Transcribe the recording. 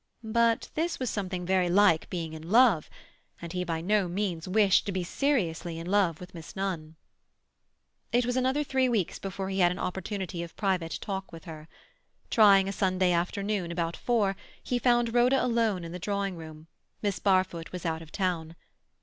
But this was something very like being in love, and he by no means wished to be seriously in love with Miss Nunn. It was another three weeks before he had an opportunity of private talk with her. Trying a Sunday afternoon, about four, he found Rhoda alone in the drawing room; Miss Barfoot was out of town.